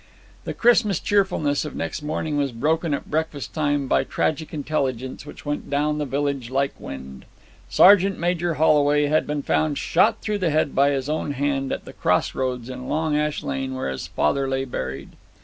The Christmas cheerfulness of next morning was broken at breakfast time by tragic intelligence which went down the village like wind. Sergeant Major Holway had been found shot through the head by his own hand at the cross roads in Long Ash Lane where his father lay buried.